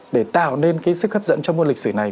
để tạo nên sức hấp dẫn trong môn lịch sử này